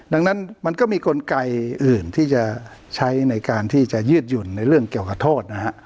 ดังนั้นมันก็มีกลไกอื่นที่จะใช้ในการที่จะยืดหยุ่นในเรื่องเกี่ยวกับโทษนะฮะ